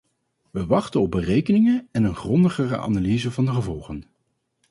We wachten op berekeningen en een grondigere analyse van de gevolgen.